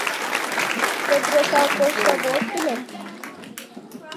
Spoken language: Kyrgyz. Көпүрө салып коюшса болот беле?